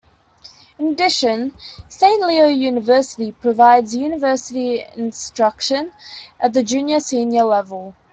In addition, Saint Leo University provides university instruction at the junior-senior level.